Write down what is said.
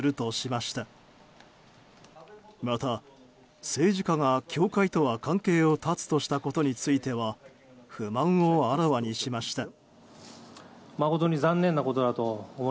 また政治家が、教会とは関係を断つとしたことについては不満をあらわにしました。